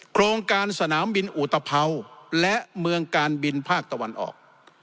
โครงการสนามบินอุตภัวร์และเมืองการบินภาคตะวันออก